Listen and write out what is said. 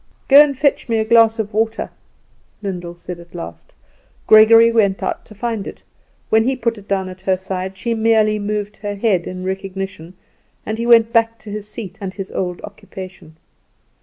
"Go and fetch me a glass of water!" Lyndall said, at last. Gregory went out to find it; when he put it down at her side she merely moved her head in recognition, and he went back to his seat and his old occupation.